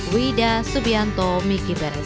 wida subianto miki beres